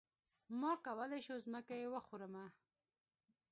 ما کولی شو ځمکه يې وخورمه.